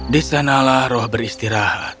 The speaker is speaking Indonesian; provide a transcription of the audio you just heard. di sanalah roh beristirahat